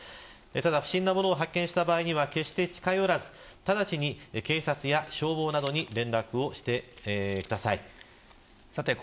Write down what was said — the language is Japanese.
ただ、不審な物を見つけた場合は決して近寄らず直ちに警察や消防などに連絡をしてください。